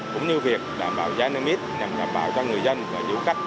cũng như việc đảm bảo giá nước mít nhằm đảm bảo cho người dân và du khách